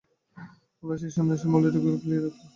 আর, সেই সন্ন্যাসীর মাদুলিটা কখনোই খুলিয়া রাখিয়ো না।